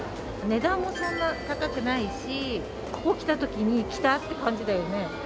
値段もそんな高くないし、ここ来たときに、来たって感じだよね。